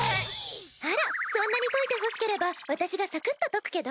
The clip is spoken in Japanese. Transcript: あらそんなに解いてほしければ私がサクッと解くけど。